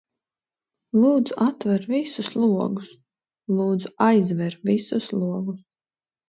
Lūdzu aizver visus logus